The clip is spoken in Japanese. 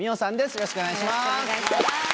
よろしくお願いします。